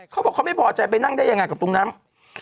เขาบอกเขาไม่พอใจไปนั่งได้ยังไงกับตรงนั้น